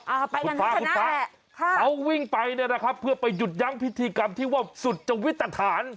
อ่าไปกันทั้งคณะแหละคุณฟ้าเขาวิ่งไปนะครับเพื่อไปหยุดย้ำพิธีกรรมที่ว่าสุดจงวิตรฐาน